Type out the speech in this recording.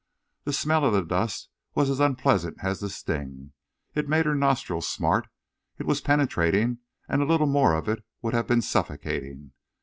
The smell of the dust was as unpleasant as the sting. It made her nostrils smart. It was penetrating, and a little more of it would have been suffocating.